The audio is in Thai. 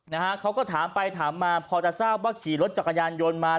นะฮะเขาก็ถามไปถามมาพอจะทราบว่าขี่รถจักรยานยนต์มา